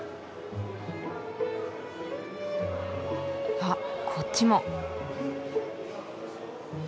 あっこっちも。